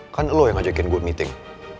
kan lo yang ajakin gue meeting